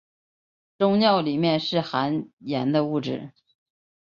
终尿里面是含氮的物质。